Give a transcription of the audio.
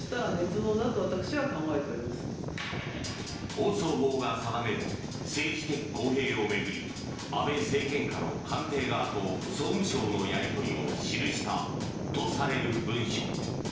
放送法が定める政治的公平を巡り安倍政権下の官邸側と総務省のやり取りを記したとされる文書。